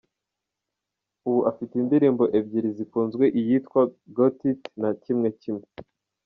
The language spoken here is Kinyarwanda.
Ubu afite indirimbo ebyiri zikunzwe iyitwa ‘Got It’ na ‘Kimwe Kimwe’.